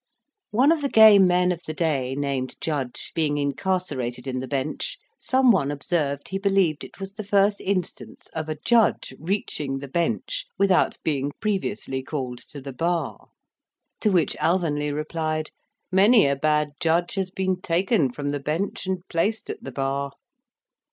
One of the gay men of the day, named Judge, being incarcerated in the Bench, some one observed he believed it was the first instance of a Judge reaching the bench without being previously called to the bar; to which Alvanley replied, "Many a bad judge has been taken from the bench and placed at the bar."